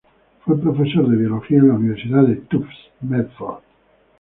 Fue profesor de biología en la Universidad de Tufts, Medford.